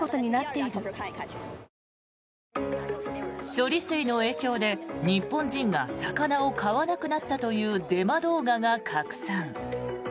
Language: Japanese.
処理水の影響で、日本人が魚を買わなくなったというデマ動画が拡散。